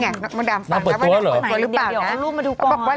น้องไปหรือเปล่า